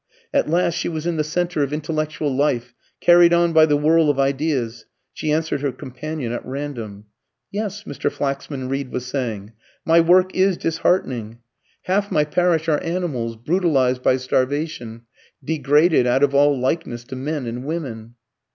At last she was in the centre of intellectual life, carried on by the whirl of ideas. She answered her companion at random. "Yes," Mr. Flaxman Reed was saying, "my work is disheartening. Half my parish are animals, brutalised by starvation, degraded out of all likeness to men and women."